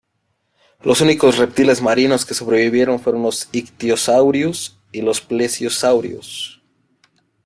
Los únicos reptiles marinos que sobrevivieron fueron los ictiosaurios y los plesiosaurios.